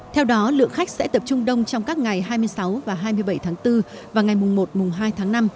theo đó lượng khách sẽ tập trung đông trong các ngày hai mươi sáu và hai mươi bảy tháng bốn và ngày mùng một mùng hai tháng năm